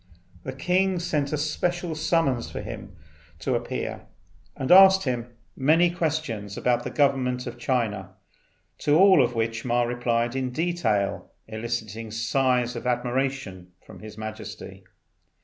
The king sent a special summons for him to appear, and asked him many questions about the government of China, to all of which Ma replied in detail, eliciting sighs of admiration from His Majesty.